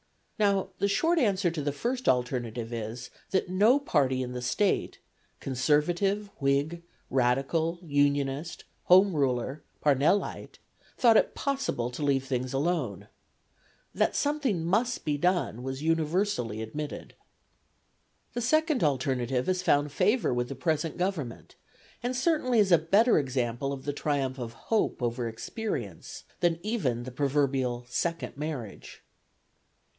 Now, the short answer to the first alternative is, that no party in the State Conservative, Whig, Radical, Unionist, Home Ruler, Parnellite thought it possible to leave things alone. That something must be done was universally admitted. The second alternative has found favour with the present Government, and certainly is a better example of the triumph of hope over experience, than even the proverbial second marriage.